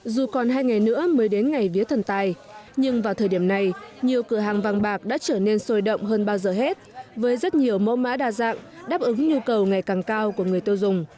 dù còn hai ngày nữa mới đến ngày vía thần tài nhưng vào thời điểm này nhiều cửa hàng vàng bạc đã trở nên sôi động hơn bao giờ hết với rất nhiều mẫu mã đa dạng đáp ứng nhu cầu ngày càng cao của người tiêu dùng